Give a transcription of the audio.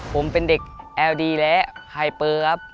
ผมเป็นเด็กแอลดีและไฮเปอร์ครับ